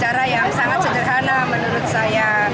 cara yang sangat sederhana menurut saya